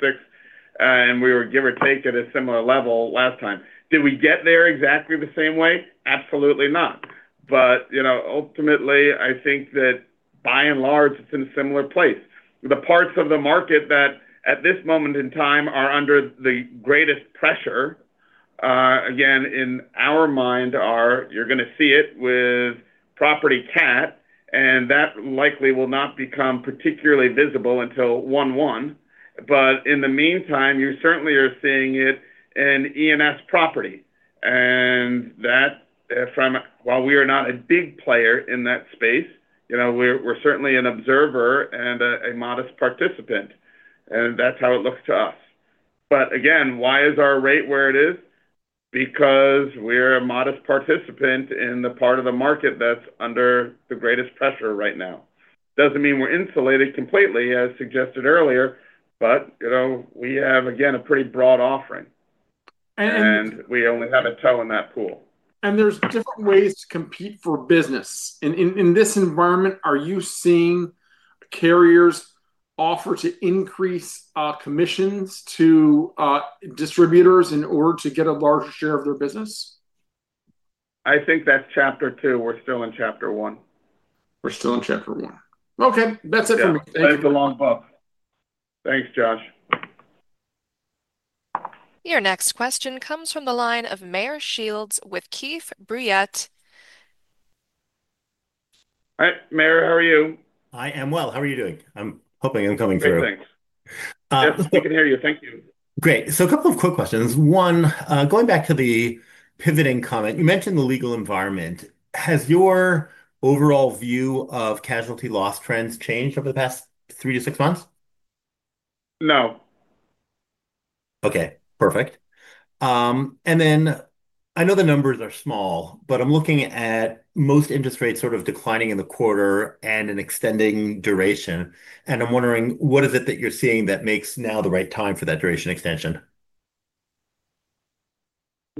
and we were, give or take, at a similar level last time. Did we get there exactly the same way? Absolutely not. Ultimately, I think that by and large, it's in a similar place. The parts of the market that at this moment in time are under the greatest pressure, again, in our mind, you're going to see it with property catastrophe, and that likely will not become particularly visible until 1.1%. In the meantime, you certainly are seeing it in E&S property. While we are not a big player in that space, we're certainly an observer and a modest participant. That's how it looks to us. Again, why is our rate where it is? Because we're a modest participant in the part of the market that's under the greatest pressure right now. It doesn't mean we're insulated completely, as suggested earlier, but we have, again, a pretty broad offering. We only have a toe in that pool. There are different ways to compete for business. In this environment, are you seeing carriers offer to increase commissions to distributors in order to get a larger share of their business? I think that's chapter two. We're still in chapter one. We're still in chapter one. Okay, that's it for me. Thanks, Josh. Your next question comes from the line of Meyer Shields with Keefe, Bruyette. All right, Meyer, how are you? I am well. How are you doing? I'm hoping I'm coming through. Good, thanks. I can hear you. Thank you. Great. A couple of quick questions. One, going back to the pivoting comment, you mentioned the legal environment. Has your overall view of casualty loss trends changed over the past three to six months? No. Okay. Perfect. I know the numbers are small, but I'm looking at most interest rates sort of declining in the quarter and an extending duration. I'm wondering, what is it that you're seeing that makes now the right time for that duration extension?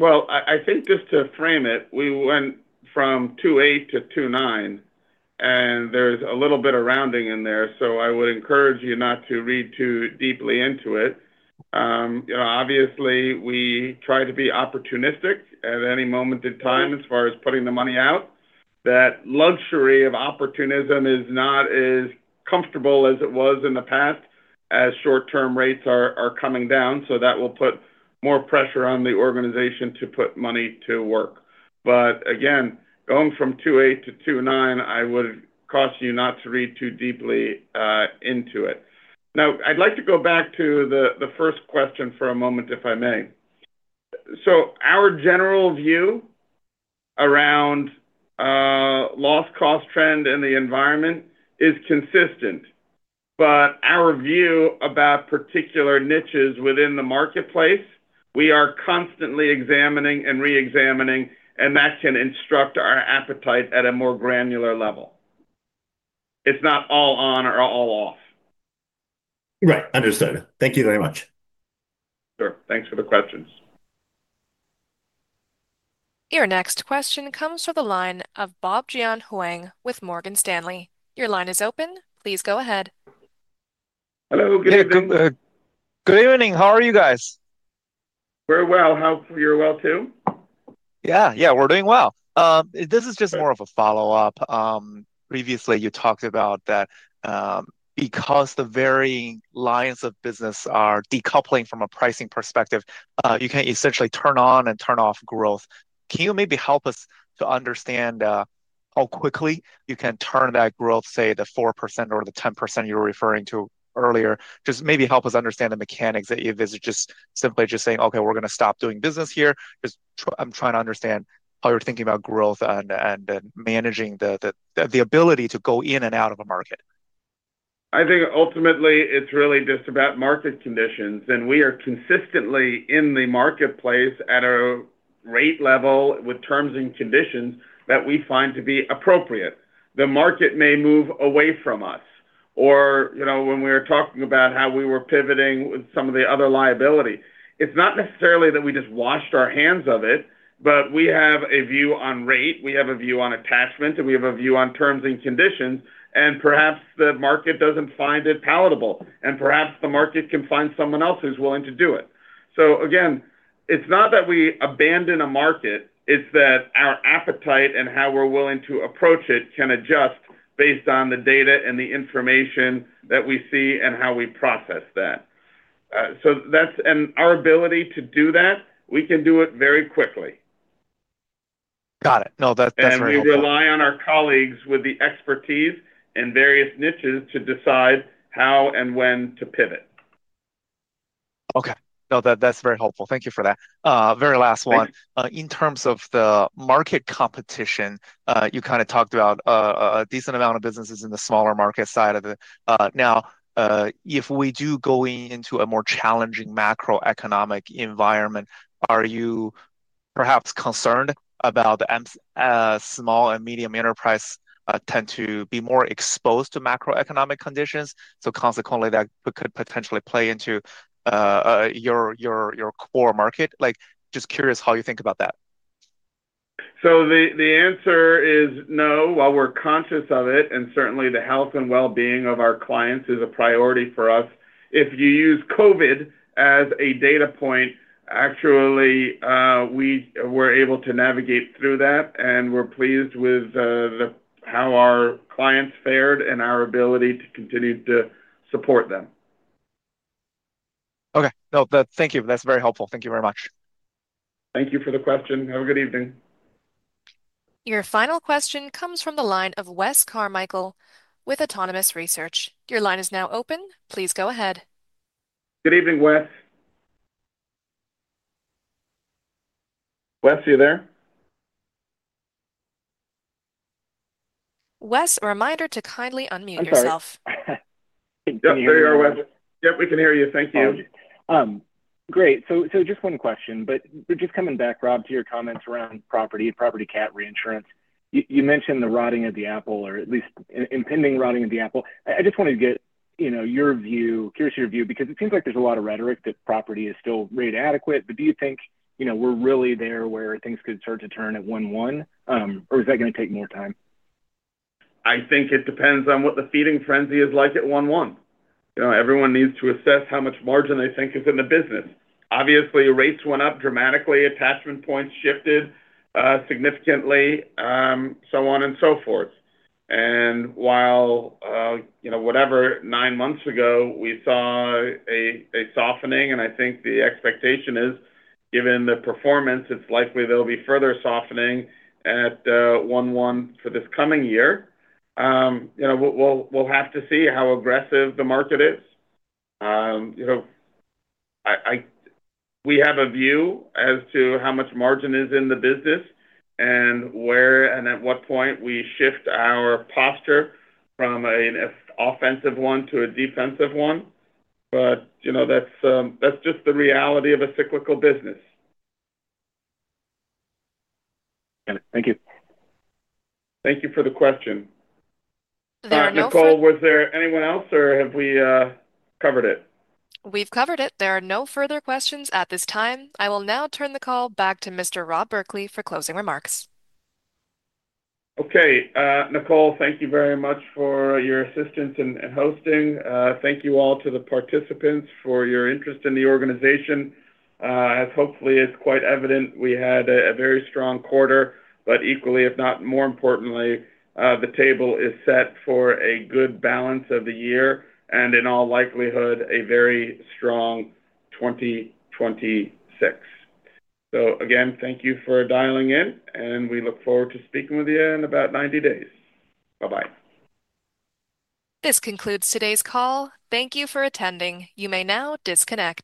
I think just to frame it, we went from 2.8% to 2.9%, and there's a little bit of rounding in there. I would encourage you not to read too deeply into it. You know, obviously, we try to be opportunistic at any moment in time as far as putting the money out. That luxury of opportunism is not as comfortable as it was in the past as short-term rates are coming down. That will put more pressure on the organization to put money to work. Again, going from 2.8% to 2.9%, I would caution you not to read too deeply into it. I'd like to go back to the first question for a moment, if I may. Our general view around loss cost trend in the environment is consistent. Our view about particular niches within the marketplace, we are constantly examining and reexamining, and that can instruct our appetite at a more granular level. It's not all on or all off. Right. Understood. Thank you very much. Sure. Thanks for the questions. Your next question comes from the line of Bob Jian Huang with Morgan Stanley. Your line is open. Please go ahead. Hello. Good evening. Good evening. How are you guys? We're well. You're well too? Yeah, we're doing well. This is just more of a follow-up. Previously, you talked about that because the varying lines of business are decoupling from a pricing perspective, you can essentially turn on and turn off growth. Can you maybe help us to understand how quickly you can turn that growth, say, the 4% or the 10% you were referring to earlier? Just maybe help us understand the mechanics of it. Is it just simply just saying, "Okay, we're going to stop doing business here"? I'm trying to understand how you're thinking about growth and managing the ability to go in and out of a market. I think ultimately, it's really just about market conditions. We are consistently in the marketplace at a rate level with terms and conditions that we find to be appropriate. The market may move away from us. When we were talking about how we were pivoting with some of the other liability, it's not necessarily that we just washed our hands of it, but we have a view on rate, we have a view on attachment, and we have a view on terms and conditions. Perhaps the market doesn't find it palatable. Perhaps the market can find someone else who's willing to do it. It's not that we abandon a market. It's that our appetite and how we're willing to approach it can adjust based on the data and the information that we see and how we process that. That's our ability to do that. We can do it very quickly. Got it. No, that's very helpful. We rely on our colleagues with the expertise in various niches to decide how and when to pivot. Okay. No, that's very helpful. Thank you for that. Very last one. In terms of the market competition, you kind of talked about a decent amount of businesses in the smaller market side of it. Now, if we do go into a more challenging macroeconomic environment, are you perhaps concerned about the small and medium enterprise tend to be more exposed to macroeconomic conditions? Consequently, that could potentially play into your core market. Just curious how you think about that. The answer is no. While we're conscious of it, and certainly the health and well-being of our clients is a priority for us, if you use COVID as a data point, actually, we were able to navigate through that. We're pleased with how our clients fared and our ability to continue to support them. Okay. No, thank you. That's very helpful. Thank you very much. Thank you for the question. Have a good evening. Your final question comes from the line of Wes Carmichael with Autonomous Research. Your line is now open. Please go ahead. Good evening, Wes. Wes, are you there? Wes, a reminder to kindly unmute yourself. Hey, can you hear me? Yep, we can hear you. Thank you. Great. Just one question, coming back, Rob, to your comments around property and property catastrophe reinsurance. You mentioned the rotting of the apple or at least impending rotting of the apple. I just wanted to get your view, curious your view, because it seems like there's a lot of rhetoric that property is still rate adequate. Do you think we're really there where things could start to turn at 1.1%, or is that going to take more time? I think it depends on what the feeding frenzy is like at 1.1%. Everyone needs to assess how much margin they think is in the business. Obviously, rates went up dramatically. Attachment points shifted significantly, so on and so forth. While, nine months ago, we saw a softening, and I think the expectation is given the performance, it's likely there'll be further softening at 1.1% for this coming year. We'll have to see how aggressive the market is. We have a view as to how much margin is in the business and where and at what point we shift our posture from an offensive one to a defensive one. That's just the reality of a cyclical business. Got it. Thank you. Thank you for the question. The final question. All right, Nicole, was there anyone else, or have we covered it? We've covered it. There are no further questions at this time. I will now turn the call back to Mr. Rob Berkley for closing remarks. Okay. Nicole, thank you very much for your assistance in hosting. Thank you all to the participants for your interest in the organization. As hopefully is quite evident, we had a very strong quarter. Equally, if not more importantly, the table is set for a good balance of the year, and in all likelihood, a very strong 2026. Thank you for dialing in, and we look forward to speaking with you in about 90 days. Bye-bye. This concludes today's call. Thank you for attending. You may now disconnect.